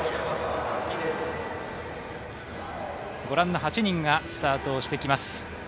ご覧の８人がスタートしてきます。